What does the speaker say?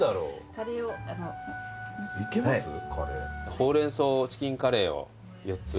ほうれん草チキンカレーを４つ下さい。